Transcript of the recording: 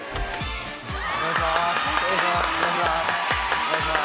お願いします！